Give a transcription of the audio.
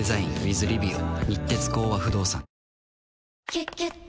「キュキュット」